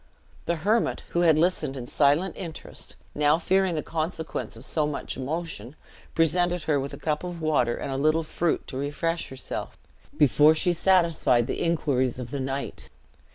The hermit, who had listened in silent interest, now, fearing the consequence of so much emotion, presented her with a cup of water and a little fruit, to refresh herself, before she satisfied the inquiries of the knight.